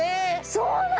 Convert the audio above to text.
そうなの！？